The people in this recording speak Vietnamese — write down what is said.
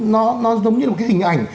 nó giống như là một cái hình ảnh